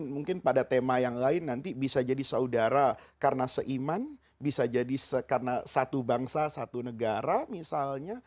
mungkin pada tema yang lain nanti bisa jadi saudara karena seiman bisa jadi karena satu bangsa satu negara misalnya